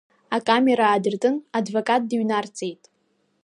Акамера аадыртын, адвокат дыҩнарҵеит.